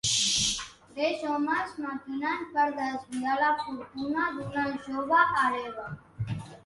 Tres homes maquinen per desviar la fortuna d'una jove hereva.